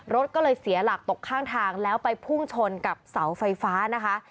รถก็เลยเสียหลักตกข้างทางแล้วไปพุ่งชนกับเสาไฟฟ้านะคะ